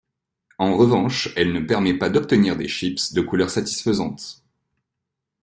En revanche elle ne permet pas d'obtenir des chips de couleur satisfaisante.